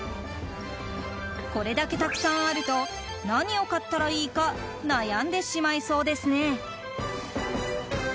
これだけたくさんあると何を買ったらいいか悩んでしまいそうですね。